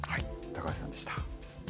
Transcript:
高橋さんでした。